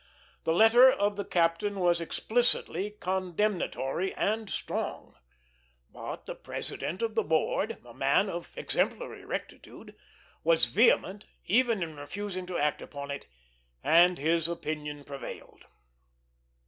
The letter of the captain was explicitly condemnatory and strong; but the president of the board, a man of exemplary rectitude, was vehement even in refusing to act upon it, and his opinion prevailed.